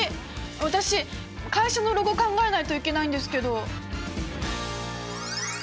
私会社のロゴ考えないといけないんですけど！